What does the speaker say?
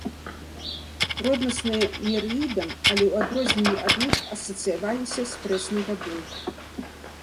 Роднасныя нерэідам, але ў адрозненне ад іх асацыяваліся з прэснай вадой.